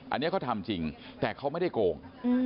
อันนี้เขาทำจริงแต่เขาไม่ได้โกง